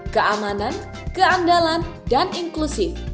keamanan keandalan dan inklusi